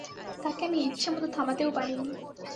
তাকে আমি ইচ্ছেমতো থামাতেও পারিনি।